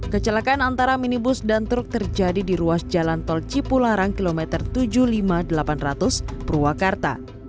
kecelakaan antara minibus dan truk terjadi di ruas jalan tol cipularang kilometer tujuh puluh lima delapan ratus purwakarta